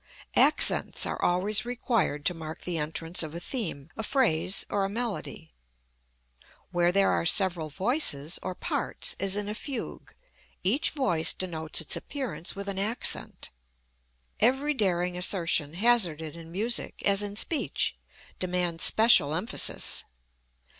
Accents are always required to mark the entrance of a theme, a phrase or a melody. Where there are several voices, or parts, as in a fugue, each voice denotes its appearance with an accent. Every daring assertion hazarded in music, as in speech, demands special emphasis.